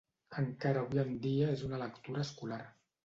Encara avui en dia és una lectura escolar.